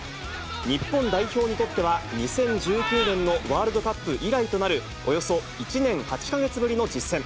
日本代表にとっては、２０１９年のワールドカップ以来となる、およそ１年８か月ぶりの実戦。